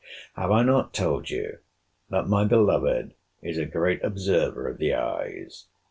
Have I not told you, that my beloved is a great observer of the eyes?